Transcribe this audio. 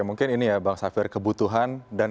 mungkin ini ya bang safir kebutuhan dan